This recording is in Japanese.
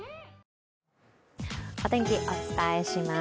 お天気、お伝えします。